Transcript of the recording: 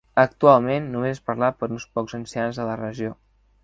Actualment només és parlat per uns pocs ancians de la regió.